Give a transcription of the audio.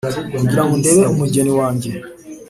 kugirango ndebe umugeni wanjye